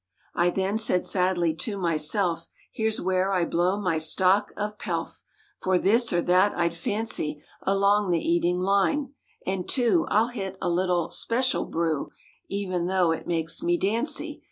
I then said sadly to myself, Here's where I blow my stock of pelf For this or that I'd fancy Along the eating line. And, too. I'll hit a little "Special" brew E'en though it make me dancy.